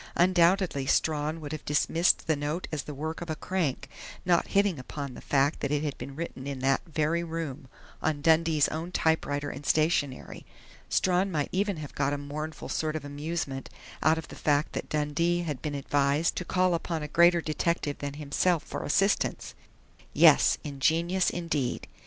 Undoubtedly Strawn would have dismissed the note as the work of a crank, not hitting upon the fact that it had been written in that very room, on Dundee's own typewriter and stationery. Strawn might even have got a mournful sort of amusement out of the fact that Dundee had been advised to call upon a greater detective than himself for assistance!... Yes, ingenious indeed!